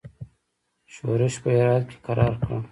ښورښ په هرات کې کرار کړ.